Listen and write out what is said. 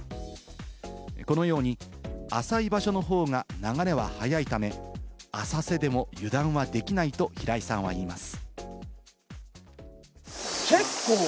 このように浅い場所の方が流れは速いため、浅瀬でも油断はできないと平井さんは言います。